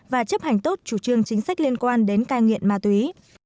và chấp hành tốt chủ trương chính sách liên quan đến cai nghiện ma túy